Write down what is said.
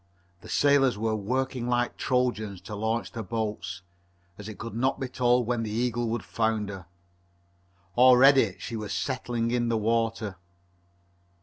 The sailors were working like Trojans to launch the boats, as it could not be told when the Eagle would founder. Already she was settling in the water.